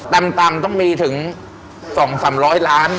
ต่ำต้องมีถึง๒๓๐๐ล้าน